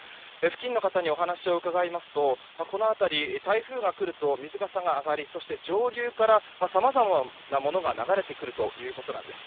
付近の方にお話を伺いますとこの辺り、台風が来ると水かさが上がり上流からさまざまなものが流れてくるということです。